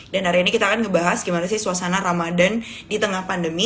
dan hari ini kita akan ngebahas gimana sih suasana ramadan di tengah pandemi